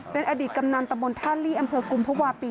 เป็นอดีตกำนั้นตมทร์ท่านลี่อัมเภอกุมพพวาปี